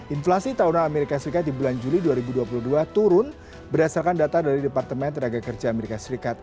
inflasi tahunan amerika serikat di bulan juli dua ribu dua puluh dua turun berdasarkan data dari departemen tenaga kerja as